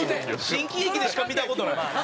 新喜劇でしか見た事ない。